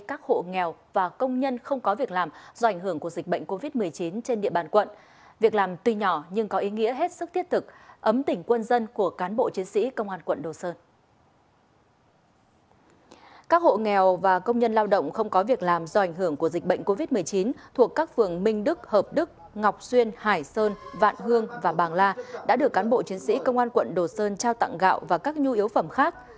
các hộ nghèo và công nhân lao động không có việc làm do ảnh hưởng của dịch bệnh covid một mươi chín thuộc các phường minh đức hợp đức ngọc xuyên hải sơn vạn hương và bàng la đã được cán bộ chiến sĩ công an quận đồ sơn trao tặng gạo và các nhu yếu phẩm khác